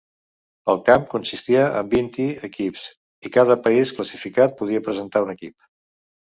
El camp consistia en vint-i equips i cada país classificat podia presentar un equip.